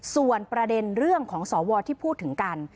ส่วนประเด็นเรื่องของสวที่พูดถึงกัน